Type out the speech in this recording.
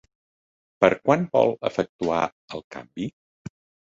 Per quan vol efectuar el canvi?